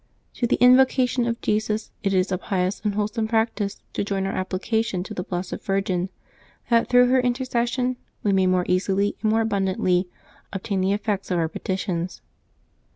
To the invocation of Jesus it is a pious and wholesome practice to join our application to the Blessed Virgin, that, through her intercession, we may more easily and more abundantly obtain the effects of our petitions.